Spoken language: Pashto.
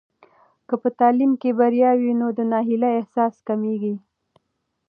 که په تعلیم کې بریا وي، نو د ناهیلۍ احساس کمېږي.